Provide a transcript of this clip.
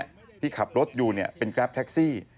คนที่พบอยู่เป็นกรัสแท็กซี่